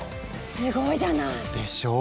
すごいじゃない！でしょう？